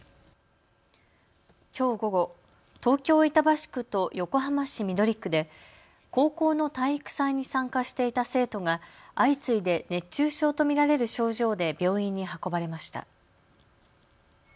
きょう午後、東京板橋区と横浜市緑区で高校の体育祭に参加していた生徒が相次いで熱中症と見られる症状で病院に運ばれました。